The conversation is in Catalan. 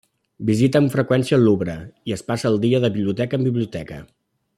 Visita amb freqüència el Louvre i es passa el dia de biblioteca en biblioteca.